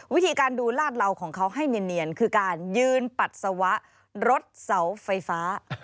วิธีการดูลาดเหลาของเขาให้เนียนคือการยืนปัสสาวะรถเสาไฟฟ้า